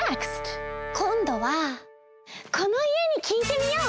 こんどはこのいえにきいてみよう！